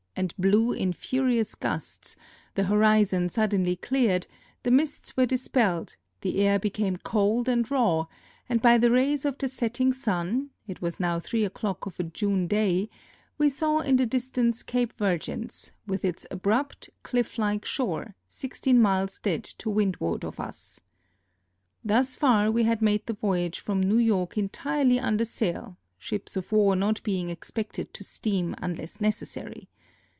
and blew in furious gusts, the horizon suddenly cleared, the mists were dispelled, the air became cold and raw, and by the rays of the setting sun (it was now 3 o'clock of a June day) we saw in the distance Cape Virgins, with its abrupt, clift like shore, 16 miles dead to windward of us. Thus far we had made the voyage from New York entirely under sail, ships of war not being ex pected to steam unless necessary.